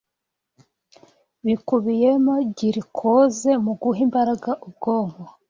bikubiyemo girikoze mu guha imbaraga ubwonko.